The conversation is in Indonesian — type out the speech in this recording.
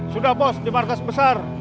sudah bos di markas besar